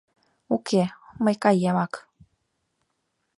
— Уке, мый каемак.